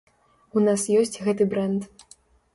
У нас ёсць гэты брэнд.